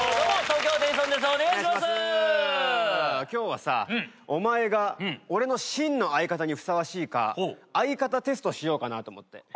今日はさお前が俺の真の相方にふさわしいか相方テストしようかなと思って。